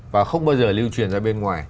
và không bao giờ lưu truyền ra bên ngoài